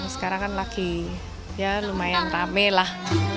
sekarang kan lagi ya lumayan rame lah